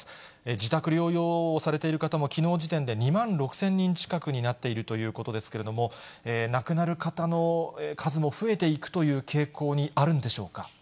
自宅療養をされている方も、きのう時点で２万６０００人近くになっているということですけれども、亡くなる方の数も増えていくという傾向にあるんでしょうか。